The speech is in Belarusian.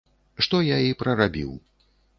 Што я і прарабіў.